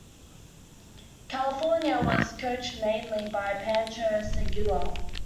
California and was coached mainly by Pancho Segura.